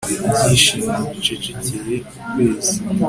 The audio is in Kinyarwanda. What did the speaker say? byishimo, bicecekeye, ukwezi